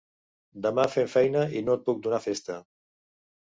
Demà fem feina i no et puc donar festa.